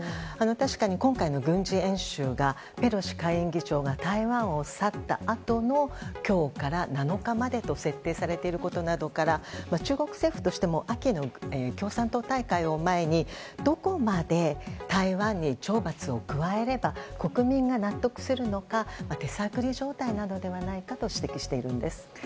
確かに今回の軍事演習がペロシ下院議長が台湾を去ったあとの今日から７日までと設定されていることなどから中国政府としても秋の共産党大会を前にどこまで台湾に懲罰を加えれば国民が納得するのか手探り状態なのではないかと指摘しているんです。